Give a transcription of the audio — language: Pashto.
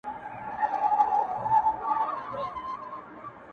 په څو چنده له قېمته د ټوكرانو-